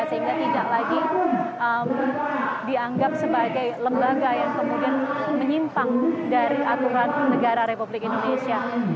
sehingga tidak lagi dianggap sebagai lembaga yang kemudian menyimpang dari aturan negara republik indonesia